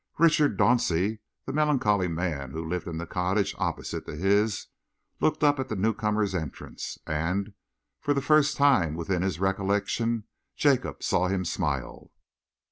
Richard Dauncey, the melancholy man who lived in the cottage opposite to his, looked up at the newcomer's entrance, and, for the first time within his recollection, Jacob saw him smile.